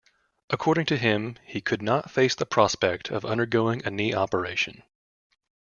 According to him, he 'could not face the prospect of undergoing a knee operation'.